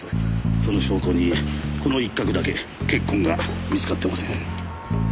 その証拠にこの一角だけ血痕が見つかっていません。